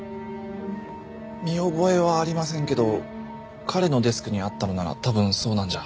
見覚えはありませんけど彼のデスクにあったのなら多分そうなんじゃ。